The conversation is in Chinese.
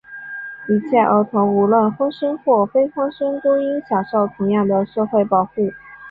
一切儿童,无论婚生或非婚生,都应享受同样的社会保护。